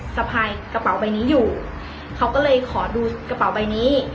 สะพายกระเป๋าใบนี้อยู่เขาก็เลยขอดูกระเป๋าใบนี้